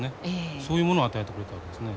そういうものを与えてくれたわけですね。